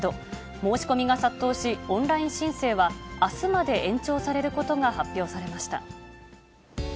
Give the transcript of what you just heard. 申し込みが殺到し、オンライン申請はあすまで延長されることが発表されました。